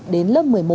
đến lớp một mươi một